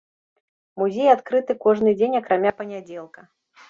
Музей адкрыты кожны дзень акрамя панядзелка.